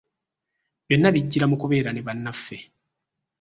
Byonna bijjira mu kubeera ne bannaffe.